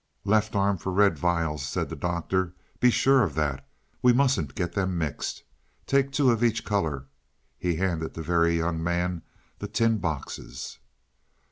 "Left arm for red vials," said the Doctor. "Be sure of that we mustn't get them mixed. Take two of each color." He handed the Very Young Man the tin boxes.